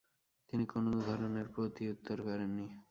তিনি কোন ধরনের প্রতিউত্তর করেন নি।